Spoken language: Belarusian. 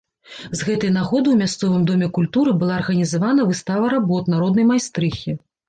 З гэтай нагоды ў мясцовым доме культуры была арганізавана выстава работ народнай майстрыхі.